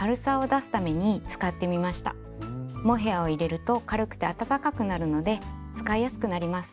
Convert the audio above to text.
モヘアを入れると軽くて暖かくなるので使いやすくなります。